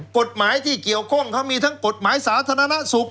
กฎหมายที่เกี่ยวข้องเขามีทั้งกฎหมายสาธารณสุข